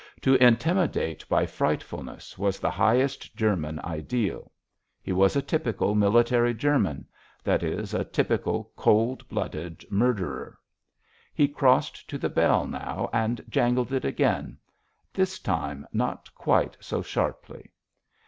To intimidate by frightfulness was the highest German ideal. He was a typical military German—that is, a typical cold blooded murderer. He crossed to the bell now and jangled it again—this time not quite so sharply.